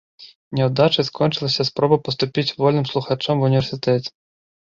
Няўдачай скончылася спроба паступіць вольным слухачом ва ўніверсітэт.